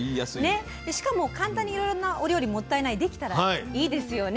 しかも簡単にいろいろなお料理もったいないできたらいいですよね。